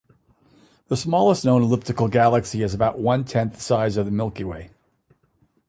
The smallest known elliptical galaxy is about one-tenth the size of the Milky Way.